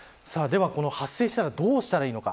発生したらどうしたらいいのか。